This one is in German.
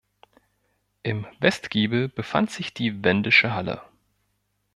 Im Westgiebel befand sich die "wendische Halle".